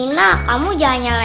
ini mamih jahat